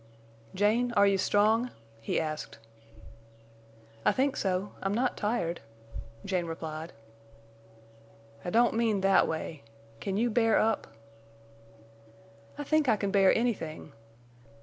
"Jane, are you strong?" he asked. "I think so. I'm not tired," Jane replied. "I don't mean that way. Can you bear up?" "I think I can bear anything."